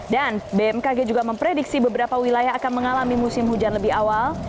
dan bmkg juga memprediksi beberapa wilayah akan mengalami musim hujan lebih awal